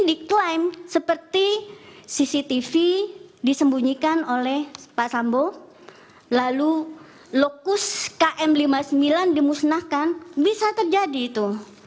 diklaim seperti cctv disembunyikan oleh pak sambo lalu lokus km lima puluh sembilan dimusnahkan bisa terjadi itu